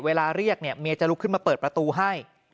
เรียกเนี่ยเมียจะลุกขึ้นมาเปิดประตูให้